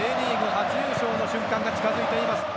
初優勝の瞬間が近づいています。